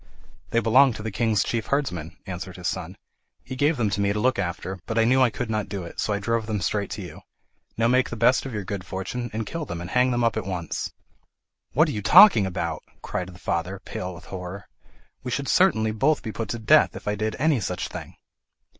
"They belong to the king's chief herdsman," answered his son. "He gave them to me to look after, but I knew I could not do it, so I drove them straight to you. Now make the best of your good fortune, and kill them and hang them up at once." "What are you talking about?" cried the father, pale with horror. "We should certainly both be put to death if I did any such thing."